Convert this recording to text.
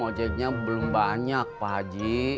ojeknya belum banyak pak haji